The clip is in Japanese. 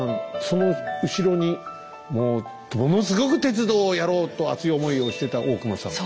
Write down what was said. その後ろにもうものすごく鉄道をやろうと熱い思いをしてた大隈さん。